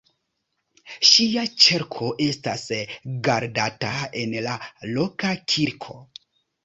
Ŝia ĉerko estas gardata en la loka kirko.